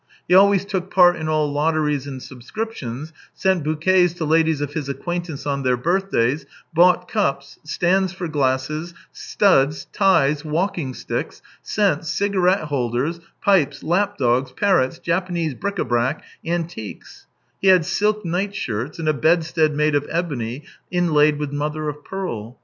He always took part in all lotteries and subscriptions, sent bouquets to ladies of his acquaintance on their birthdays, bought cups, stands for glasses, studs, ties, walking sticks, scents, cigarette holders, pipes, lap dogs, parrots, Japanese bric a brac, antiques; he had silk nightshirts, and a bedstead made of ebony inlaid with mother of pearl.